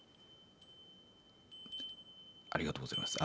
ありがとうございます。